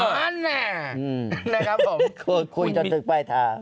ภอดแม่นะครับผมโหุ่ดคุยจนถึงไปแล้ว